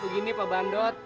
gini pak bandot